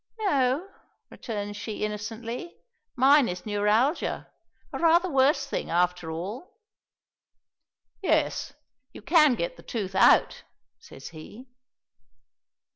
"No," returns she innocently. "Mine is neuralgia. A rather worse thing, after all." "Yes. You can get the tooth out," says he.